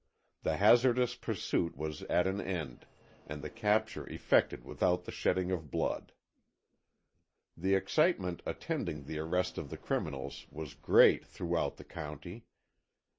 The hazardous pursuit was at an end, and the capture effected without the shedding of blood. The excitement attending the arrest of the criminals was great throughout the county.